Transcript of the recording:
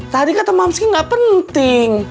tadi kata mamski nggak penting